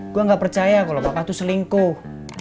gue gak percaya kalo papa tuh selingkuh